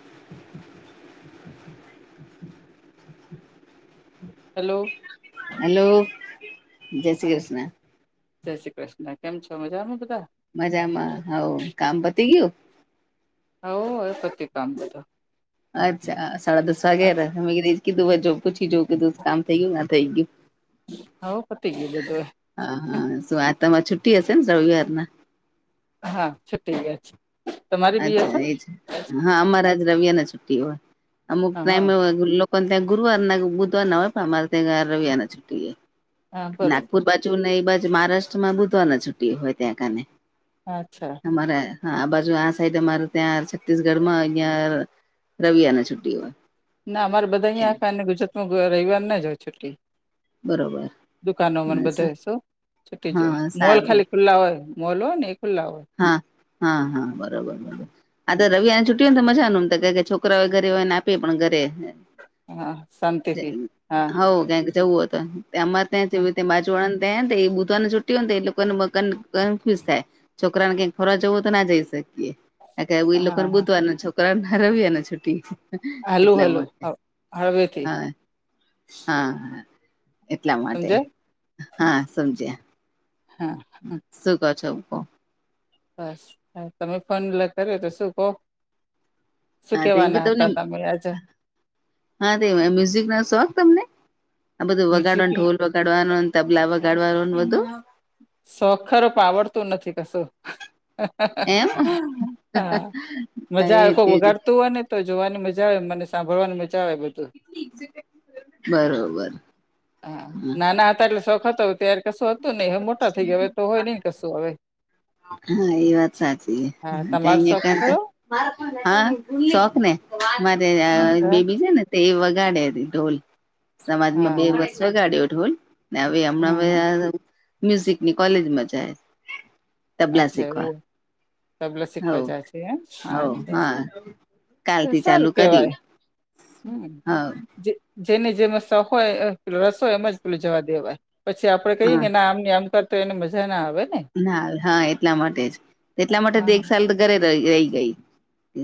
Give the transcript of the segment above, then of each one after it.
[inaudible] Hello hello જય શ્રી હા કૃષ્ણ. જય શ્રી કૃષ્ણ કેમ છો મજામાં બધા- મજામાં હવ કામ પતી ગયું- હવ હવે પત્યું કામ તો- અચ્છા સાડા દસવા ગયા કે ત વાજ પૂછી જો કે કામ થઈ ગયું ના થઈ ગયું. હ [inaudible] હા પતી ગ બધવે- હા હા શું આ તમામાં છુટ્ટી હશે ને રવિવારના- હા છુટી છે આજ અચ્છા એ છે હા અમારા આજ રવિ ના છુ્ટી હોય અમુક હા હા ટાઈમે- પણ ત્યાં ગુરુવાર બુધવાર ના હોય પણ અમારે ત્યાં રવિવારના છુટી હોય- હા બરોબર નાગપુર બાજુ ને એ બાજુ મહારાષ્ટ્ર માં બુધવાર ના છુટી હોય ત્યાં કને- અચ્છા- અમારા હા બાજુ આ સાઈડ અમાર ત્યાં છત્તીસગઢ માં અહિયાં- રવિવાર ના છુટ્ટી હોય- ના અમારે બધા અહીં આખેને ગુજરાતમાં રવિવાર ના જ હોય છુટી- બરોબર દુકાનો મને બધા શું છૂટી જ હોય હા મોલ સારું ખાલી ખુલ્લા હોય- મોલો હોય ને એ ખુલ્લા હોય. હા હા હા બરોબર બરોબર આ રવિ- -એ તો મજાનું એમ છોકરાઓય ઘરે હોય ને આપી પણ ઘરે- હા શાંતિથી હા હોવ ક જવું હો તો- અમારે ત્યાં હા જે્યા બાજુળાને ત્યાં ને એ બુધવાર ને છુટી હો ને તો એ લોકોને કન્ફ્યુઝ થાય- છોકરા ને કઈક ફરવા જવું હોય તો ના જઈ શકીએ લોકો ને હા બુધવારને છોકરા- હ રવિવાર ના છુટી- હલ્લો એટલા હલ્લો માટે હા આવે છે. હા હા એટલા માટે સમજાય હા સમજ્યા- હા. [unintelligible] શું કરો છો? બસ હા તમે ફોન કર્યો તો શું કો? શું હા તો એમ કે કેવાના હતા તમને તમે આજ- હા તે મ્યુઝિક ના શોખ તમને આ બધું વગાડો મ્યુઝિક ઢોલ- વગાડવાનો તબલા વગાડવાનો બધો- શોખ ખરો પણ આવડતું નથી કશું- એમ હા મજા એ આવે જ કોક એજ વગાડતું હોય ને તો જોવાની મજા આવે મને સાંભળવાની મજા આવે બધુ બરોબર હ હા નાના હતા એટલે શોખ હતો ત્યારે કશું હતું નઈ હવે મોટા થઈ ગયા હવે તો હોય નહિ કશું હવે હા એ વાત સાચી હા છે તમારો શોખ અહીંયા ખરો કર હા શોખ ને મારે અચ્છા બેબી છે ને તે એ વગાડે રિ ઢોલ સમાજમાં હા બે હા વસ વગાડ્યો ઢોલ ને હવે હમણાં હમ હમ મ્યુઝિક ની કોલેજમાં જાય. તબલા અચ્છા એઉ શીખવા તબલા સીખવા હવ જાય છે હા હવ અચ્છા- હા હા કાલથી ચાલુ સારું કર્યું કેવાય હમ્મ હવ જે- જેને જેમ શોખ હોય રસ હોય એમ જ પેલું જવા દેવાય. પછી આપડે કહીએ હા કે ના આમ નહી આમ કર તો એને મજા ના આવે. ને ના હા એટલા માટે જ એટલા માટે તો એક હા સાલ તો ઘરે રહી ગઈ.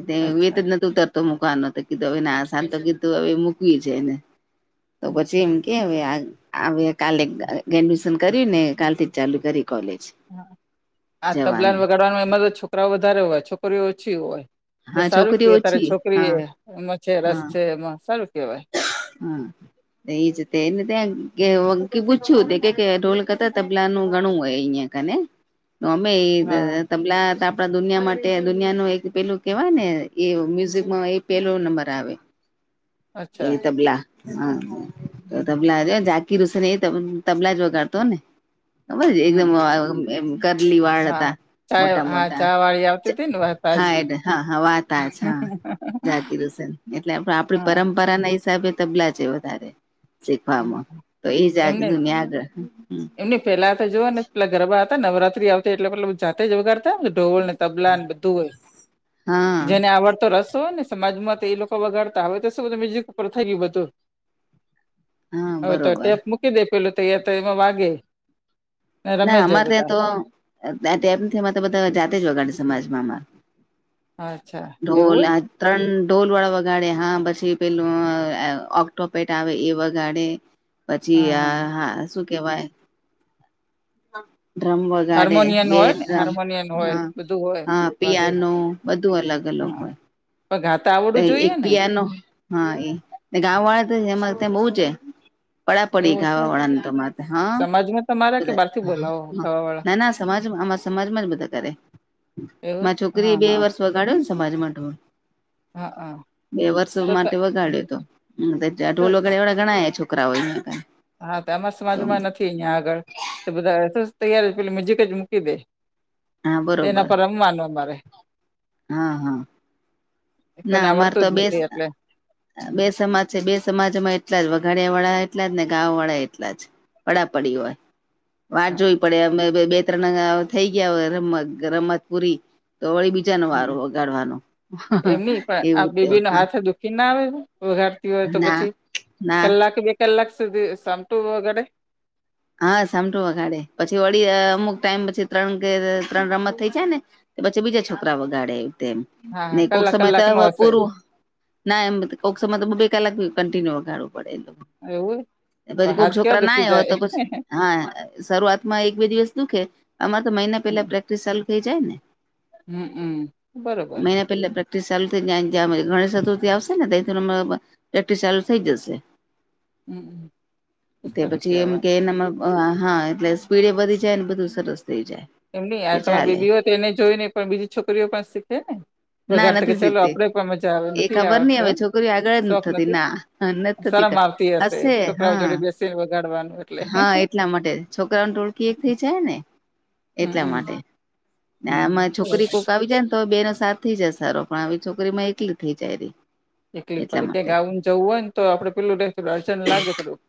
તે વેત અચ્છા જ નથી ઉતરતો મૂકવાનો તો કીધું હવે આ સાલ તો કીધું હવે મૂકવી જ હે એને- તો પછી હમ હમ્મ. - કેવે હ કાલે ગ્રેજ્યુએશન કર્યું ને કાલ થી જ ચાલુ કરી કોલેજ- આ તબલા ને જવાનું વગાડવાનું એમાં તો છોકરાઓ વધારે હોય છોકરીઓ ઓછી હોય. તો હા સારું છોકરી કેવાય તારે ઓછી છોકરી હા એ એમાં છે રસ હા છે એમાં સારું કેવાય. હા. એ જ તેને ત્યાં પૂછ્યું કે ઢોલ કરતા તબલાનું ઘણું હોય અહિયાં હ ને અમે એજ હા તબલા તા આપણા દુનિયા માટે દુનિયા નુ એક પેલું કેહેવાય ને એ મ્યુઝિકમાં એ પેલો નંબર આવે એ અચ્છા તબલા હા તબલા જ જાત કીધું સરે તબલા જ વગડતો ને ખબર છે એકદમ હમમ કરલી વાળ હા હતા ચા મોટા હા મોટા ચા વાળી આવતી હતી ને વાત આજ હા એડ હા હા વાત આ જ હા જાગીર શે એટલે આપણી હા પર પરંપરા ના હિસાબે તબલા છે વધારે શીખવામાં તો એ જ જાતનું ન્યાદ પેલાતા જુઓ ને પેલા ગરબા હતા નવરાત્રી આવતી એટલે મતલબ જાતે જ વગાર ઢોળને તબલા ને બધું હોય હા જેને આવડતો રસ તોને ને સમાજમાં તો એ લોકો વગાડતા હવે તો શું બધું મ્યુઝિક ઉપર થઈ ગયું બધું. હા હવે તો બરોબર ટેપ મૂકી દે પેલું તોયા તો એમાં વાગે ને રમે ના જાય અમારે બધા ત્યાં તો તમ અમારે તો બધાં જાતે જ વગાડ સમાજમાં મા અચ્છા એવું ઢોલ હોય આ ત્રણ ઢોલ વાળા વગાડે હા પછી પેલું ઓક્ટો પેટ આવે એ વગાડે પછી આ હા શું કેવાય. હા ધર્મહોલ ગાડે હાર્મોનિયન હોય ને બેમ હાર્મોનિયન હ હોય બધું હોય હા વાગે પિયાનો બધું અલગ અલગ હા હોય. પણ ગાતા આવડવું એક જોઈએ ને પિયાનો હા એ ગાવા વાળા તો એ અમારે ત્યાં બહુ જ હે પડાપડી એવું છે ગાવા વાળા ની તો અમાર ત્યાં હા. સમાજમાં તમારે બધા ના ના સમાજમાં અમાર સમાજમાં જ બધા કરે એવું જ માર હા છોકરીએ બે હા વર્ષ વગાડ્યો ને સમાજમા ઢોલ હા હા બે વર્ષ તો માટે ત- વગાડ્યો તો ઢોલ તો વગાડ્યા વાળા ઘણા છોકરા હે અહીંયા કર હા તો અમાર સમાજમાં નથી અહિયાં આગળ તો બધા તૈયારી પેલુ મ્યુઝિક જ મૂકી દે. હા તેના બરોબર પર રમવાનું અમારે હા હા કોઈને ના અમારે આવડતું તો જ બે નથી એટલે [inaudible] હમ, બે સમાજ છે. બે સમાજમાં એટલા જ વઘાડિયા વાળા એટલા જ ને ગાવવાળા એટલા જ પડાપડી હોય. વાર હા, જોવી પડે અમે બે બે ઉત્તર નગાવ થઈ ગયા વરમત ગરમ મત પૂરી તો વળી બી બીજા નો વાળો હમ. વગાડવાનો એમ હ પણ આ બેબી નો હાથ દુખી ના આવે વગાડતી હોય તો ના પછી ના કલાક કલાકસધી સામતુ વગાડે. હા સાટું વગાડે પછી વળી અમુક ટાઈમ પછી ત્રણ કે ત્રણ રમત થઈ જાય ને પછી બીજા છોકરા વગાડે તેમ હા હા ને કોક કલાક સમય તો કલાક નું હવે હશે પૂરું ના એમ કોક સમય બે કલાક કન્ટિન્યુ વગાડવું પડે એ લોકો એવું એ પણ પછી કોક હાથ કેવા છોકરા દુખી ના હોય જાય તો પછી હા શરૂઆતમાં એક બે દિવસ દુખે આમાં તો મહિના પેલા પ્રેક્ટિસ ચાલુ થઇ જાય ને હમ હમ બરોબર મહિના પેલા પ્રેક્ટિસ ચાલુ થઈને જ ગણ ચતુર્થી આવશે ને તેથી અમારા પર પ્રેક્ટિસ ચાલુ થઇ જશે. હમ બો સારું કેવાય! એનામા હા એટલે સ્પીડ એ વધી જાય ને બધું સરસ થઈ જાય. એમ ની તે તમારી ચાલે બેબીઓ તેને જોઈને પણ બીજી છોકરીઓ પાસે શીખે ને ના વગાર તો કે નથી ચાલ શીખતી આપડે પણ મજા આવે એ નથી ખબર નઈ આવડતો હવે એ છોકરીઓ આગળ જ શોખ થતી નથી. ના નથી થતી શરમ આવતી હશે છોકરાઓ જોડે બેસીને વગાડવાનું એટલે હે હે છોકરાઓ ને ઢોળકી એક થી જ છે ને હમમ એટલા હમ હમ માટે હમ. આમાં છોકરી બરાબર. કોક આવી જાય ને તો બે ને સાત થી જાય સારો પણ આવી છોકરીમાં એકલી થી જાય રી એકલી એટલા પડકે માટે ગાવુન જવું હોય ને તો આપડે પેલું દર્શન લાગે થોડું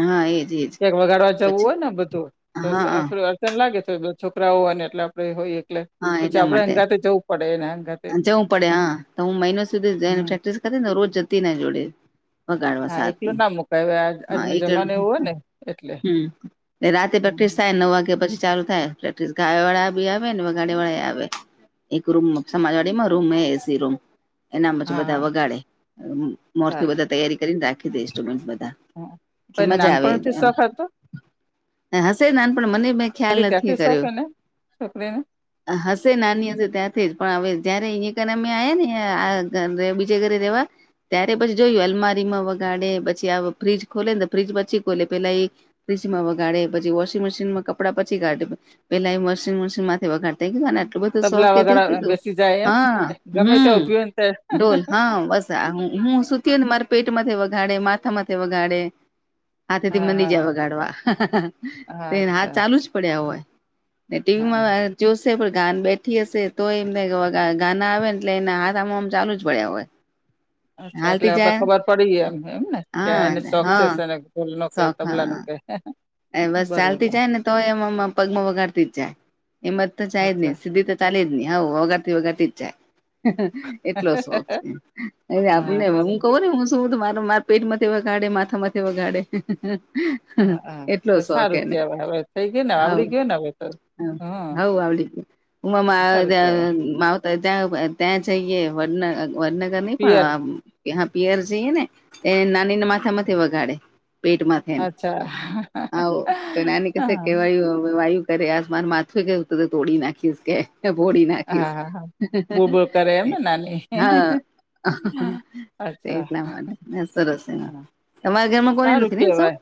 હા એજ એજ એક વગાડવા જવું પછી હોય ને બધું તો હા સાફરે તે ને લાગે તો છોકરાઓ હોવા ને એટલે આપડે હોય એટલે‌ હા એટલા માટે હંગાતે જવું પડે હા તો હું મહિનો સુધી જઈને હમ પ્રેક્ટિસ કદીને રોજ જતી ને જોડે વગાડવા હા સાદને એકલું ના મુકાય હવે આજ- હા આજનો એક જમાનો એવો હોય ને એટલે હમ રાતે હમ પ્રેક્ટિસ થાય નવ વાગ્યા પછી ચાલુ થાય પ્રેક્ટિસ ગાય વાળા બી આવે ને ગાડી વાળા આવે એક રૂમ સમાજવાડી માં રૂમ એસી રૂમ એનામાં બધા હા વગાડે મોરથી ચાલે બધા તૈયારી કરીને રાખી દે સુડસ હા પણ બધા એને મજા આવે નાનપણથી શોખ હતો હશે નાન પણ મને મે ખ્યાલ નથી કર્યો. છોકરી ને, હશે નાની હશે ત્યાંથી જ પણ હવે જયારે અહીયા કર અમે આયા ને બીજે ઘરે રેવા ત્યારે પછી જોયું અલમારીમાં વગાડે પછી આ ફ્રીજ ખોલે ને તો ફ્રીજ પછી ખોલે પેલા એ ફ્રીજ માં વગાડે પછી વોશિંગ મશીનમાં કપડા પછી કાઢે પેલા એ વોશિંગ મશીનમાંથી વગાડ-' [inaudible] શો તબલા કે વગાડવા કીધું બેસી હ જાય એમ ગમે હમ ત્યાં ઉભી હોય ને ત્યાં ઢોલ હા બસા હું શું? કેન મારે પેટમાંથી વગાડે, માથામાંથી વગાડે હાથે થી હા મની હા જાય વગાડવા હા તે હાથ અચ્છા ચાલુ જ પડ્યાં હોય. ને હા ટીવીમાં વાર જોશે પણ ગાન બેઠી હશે તો એમને ગાના આવે એટલે એના હાથ આમાં આમ ચાલુ જ પડ્યા હોય. [inaudible] અચ્છા એટલે હાલતી આપડે જાય ખબર પડી ગઈ એમ ને કે એને હા શોખ છે હા એને ઢોલ નો કે શોખ તબલા નો હા કે એ હ એ બસ ચાલતી જાય ને તો એમાં પગમાં વગાડતી જાય એમાં જ તો જાય જ અચ્છા નહી સીધી તો ચાલે જ ની આવું વગાતી વગાતી જ જાય. એટલો શોખ છે હા આપને હું બરોબર કવો ને હ ચુધ મારું માર પેટમાંથી વગાડે માથામાંથી વગાડે હી હી હે હ હા તો સારું કેવાય હવે થઈ ગયું ને આવડી ગયો ને હવે તો હ હવ હા આવડી ઉમા સારું કેવાય મા તો ત્યાં ત્યાં જઈએ વડન વડનગર નઈ પિયર પણ કે હ પિયર જઈએે ને એ નાની ના માથા માંથી વગાડે પેટમાં અચ્છા. આવાો તો નાની કહેશે હા કેવાયું વાયુ કરે આસમાન માથું કેું તો તોડી નાખીશ કે ભોળી હા નાખીશ હા હા બોલ બોલ કરે એમને નાની હા. અચ્છા એટલા માટેને સરસ એ હા તમાર ઘરમાં સારું કેવાય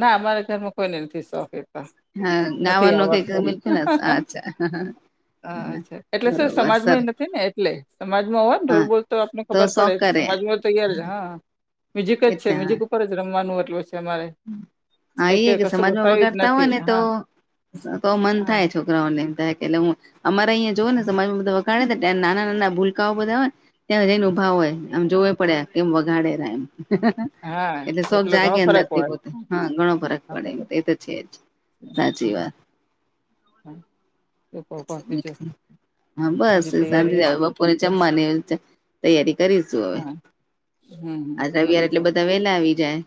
ના અમારા ઘરમાં કોઈને નથી સોખી હા નાવા [unintelligible] અચ્છા અ અચ્છા એટલે શું બરોબર સર સમાજમાં નથી ને એટલે સમાજમાં હોવા ને ઢોલ હા બોલ તો આપણે ખબર પડે શોખ તો કરે સમાજમાં તો તૈયાર જ હા મ્યુઝિક જ છે એટલે હા મ્યુઝિક ઉપર જ રમવાનું એટલું છે અમારે હા એટલે એઈ કે કશું સમાજમાં વસાયું જ વગાડતા હોય નથી ને તો હા તો મન હા થાય છોક અમારા અહં જોય ને સમાજમાં બધ વગાડે નાના નાના ભૂલકાઓ બધા. ત્યાં રનેભાવ હોય આમ જોવે પડ્યા કેમ વગાડે ર એમ. હા એટલે સૌ એટલો ઘણો જાગ્યા અંદર ફરક તે હોય પોતે હા ઘણો ફરક હા પડે એમ બરોબર એ તો છે, જ હ સાચી વાત. હ તો કો કોજ હા બસ સાતે જ આવે બપોરે જમવાની તૈયારી કરીશું હવે. હા હમ. આ રવિયર એટલે બરોબર બધા વેલા આવી જાય.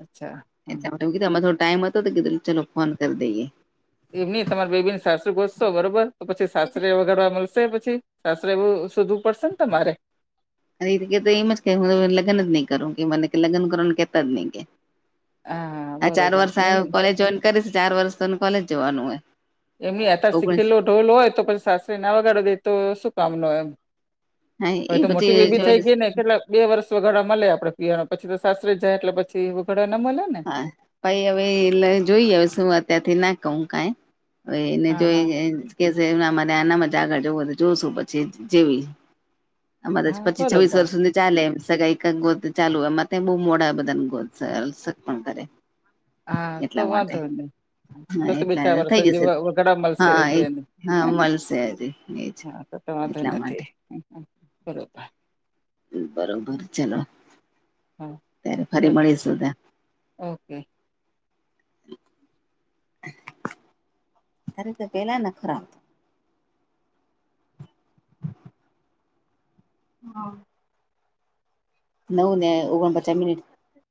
અચ્છા. હા એધમાં થોડો ટાઈમ હતો તોધ ચલો ફોન કરી દઈએ. એમ ન તમારે બેબી સાસુ ઘોશો બરોબર તો પછી સાસરે વગરવા મળશે પછી. સાસરે એવું શોધવું પડશે ને તમારે. એ રીતે તો એમ જ હું લગ્ન જ નહી કરું કે મને લગ્ન કરવા કેતા જ નહી કે હા આ ચાર બરોબર વર્ષ એમ કોલેજ જોઈન કરીશ ચાર વર્ષ તોને કોલેજ જવાનું હોય. એમ અતાર ઓગણીસ શીખેલો ઢોલ હોય તો પછી સાસરે ના વગાડવા દે તો શું કામ ન હોય એમ. હા એ હય તો મોટી પછી બેબી જોઈ થઈ ગઈ ને. એટલે બે વર્ષ વઘાડા મળે આપણે પીવાણા પછી તો સાસરે જાય એટલે પછી વઘાડા ના મળે ને ભાઈ હવે એ જોઈએ હવે શું અત્યારથી ના કું કઈ. હવે એને હા જો હા કેરે આનામાં જ આગળ જવું હોય તો જોશું પછી જેવી. આમાા હા પચીસ છાવવીસ બરોબર વર્ષ સુધ. ચાલે એમ સગા એક ગોત ચાલુ એમાં બહુ મોડા બધાને ગોત. પણ કરે હા તો એટલા માટે વાંધો નઈ. તો હા તો એટલા બચા થઈ વરશે જીવ જશે વઘડા મળશે હા જે એ હા મળશે હજી એજ હા. તો વાંધ એટલા માટે નથી બરોબર. બરોબર ચલો. હા ત્યારે ફરી ચાલ મળીશું તા. ઓકે. [inaudible] અરે તો પેલા ન ખરા હા. નવ ને ઓગણપચાસ મિનિટ